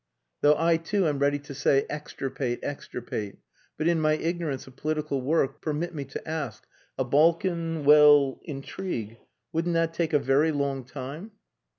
"Though I too am ready to say extirpate, extirpate! But in my ignorance of political work, permit me to ask: A Balkan well intrigue, wouldn't that take a very long time?"